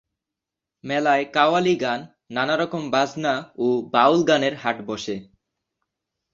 মেলায় কাওয়ালি গান, নানারকম বাজনা ও বাউল গানের হাট বসে।